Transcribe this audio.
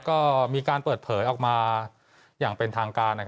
ก็มีการเปิดเผยออกมาอย่างเป็นทางการ